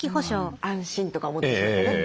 安心とか思ってしまってね。